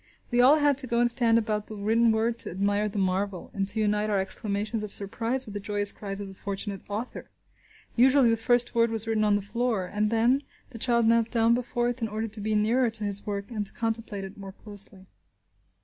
We all had to go and stand about the written word to admire the marvel, and to unite our exclamations of surprise with the joyous cries of the fortunate author. Usually, this first word was written on the floor, and, then, the child knelt down before it in order to be nearer to his work and to contemplate it more closely.